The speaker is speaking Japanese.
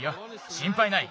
しんぱいない。